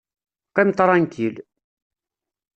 Qqim ṭṛankil!